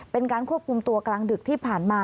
เป็นการควบคุมตัวกลางดึกที่ผ่านมา